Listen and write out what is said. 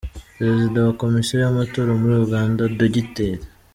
Perezida wa Komisiyo y’amatora muri Uganda, Dr.